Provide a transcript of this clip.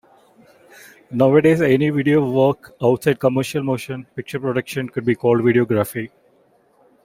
Nowadays, any video work outside commercial motion picture production could be called "videography".